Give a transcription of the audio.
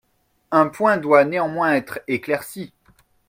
Un point doit néanmoins être éclairci.